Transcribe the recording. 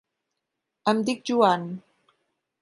Em dic Joan.